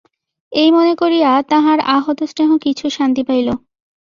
এই মনে করিয়া তাঁহার আহত স্নেহ কিছু শান্তি পাইল।